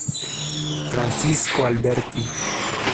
Francisco Alberti.